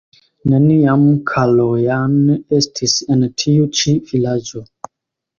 Neniam Kalojan estis en tiu ĉi vilaĝo.